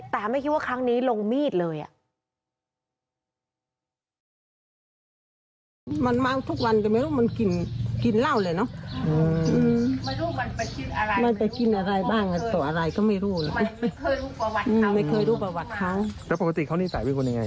แต่ไม่คิดว่าครั้งนี้ลงมีดเลย